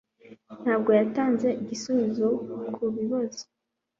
Ntabwo yatanze igisubizo kubibazo.